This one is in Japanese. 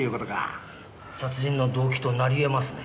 殺人の動機となりえますね。